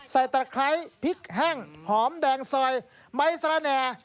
ตะไคร้พริกแห้งหอมแดงซอยใบสระแหน่